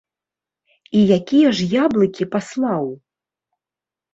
І якія ж яблыкі паслаў?